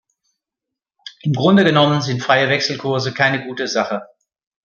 Im Grunde genommen sind freie Wechselkurse keine gute Sache.